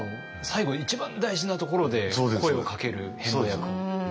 最後一番大事なところで声をかける遍路役。